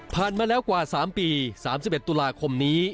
มาแล้วกว่า๓ปี๓๑ตุลาคมนี้